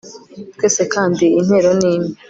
twese kandi intero ni imwe